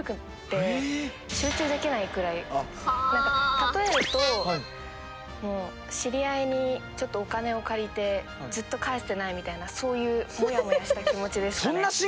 例えると知り合いにちょっとお金を借りてずっと返してないみたいなそういうモヤモヤした気持ちですかね。